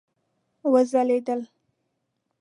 وځلیدل